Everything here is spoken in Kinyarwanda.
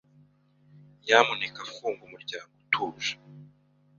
Nyamuneka funga umuryango utuje.